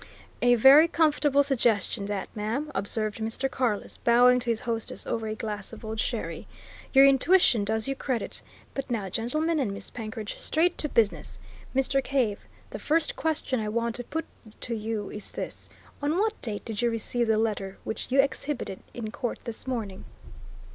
"A very comfortable suggestion, that, ma'am," observed Mr. Carless, bowing to his hostess over a glass of old sherry. "Your intuition does you credit! But now, gentlemen, and Miss Penkridge, straight to business! Mr. Cave, the first question I want to put to you is this: on what date did you receive the letter which you exhibited in court this morning?"